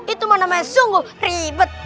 itu mau namanya sungguh ribet